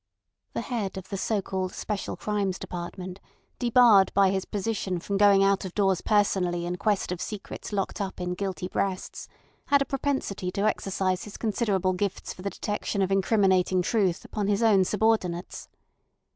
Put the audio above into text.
The head of the so called Special Crimes Department debarred by his position from going out of doors personally in quest of secrets locked up in guilty breasts, had a propensity to exercise his considerable gifts for the detection of incriminating truth upon his own subordinates.